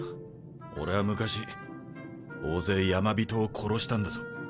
俺は昔大勢ヤマビトを殺したんだぞ。